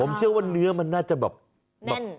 ผมเชื่อว่าเนื้อมันน่าจะแบบ